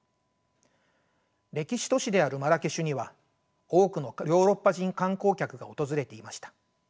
歴史都市であるマラケシュには多くのヨーロッパ人観光客が訪れていました。